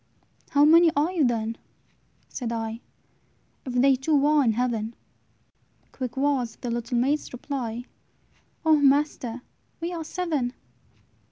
"How many are you, then," said I, "If they two are in heaven?" Quick was the little maid's reply, "O master! we are seven."